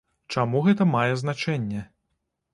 Чаму гэта мае значэнне?